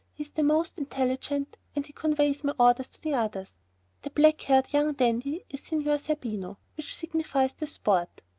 He is the most intelligent and he conveys my orders to the others. That black haired young dandy is Signor Zerbino, which signifies 'the sport.'